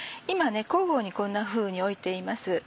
今交互にこんなふうに置いています